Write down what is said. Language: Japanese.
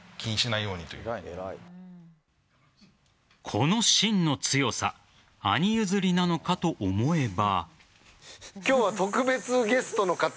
この芯の強さ兄譲りなのかと思えば。